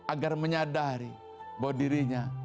agar menyadari bahwa dirinya